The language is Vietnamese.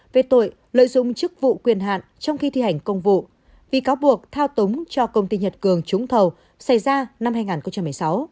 về tội lợi dụng chức vụ quyền hạn trong khi thi hành công vụ vì cáo buộc thao túng cho công ty nhật cường trúng thầu xảy ra năm hai nghìn một mươi sáu